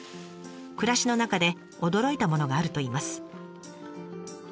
暮らしの中で驚いたものがあるといいます。